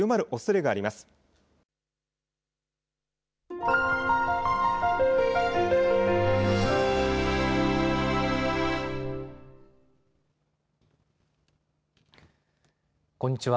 こんにちは。